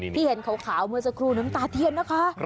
ที่เห็นขาวเมื่อสักครู่น้ำตาเทียนนะคะ